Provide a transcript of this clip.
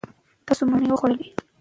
تاسو مڼې وخوړلې.